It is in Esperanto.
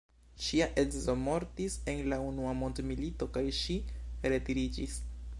Ŝia edzo mortis en la unua mondmilito kaj ŝi retiriĝis.